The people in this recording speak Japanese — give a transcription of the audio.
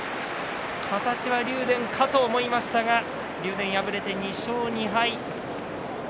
形は竜電かと思いましたが竜電、敗れて２勝２敗。